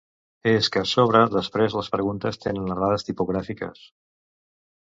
És que a sobre després les preguntes tenen errades tipogràfiques.